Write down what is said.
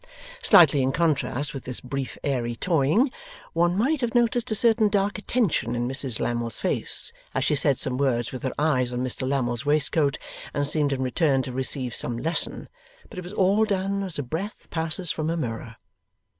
Slightly in contrast with this brief airy toying, one might have noticed a certain dark attention in Mrs Lammle's face as she said some words with her eyes on Mr Lammle's waistcoat, and seemed in return to receive some lesson. But it was all done as a breath passes from a mirror.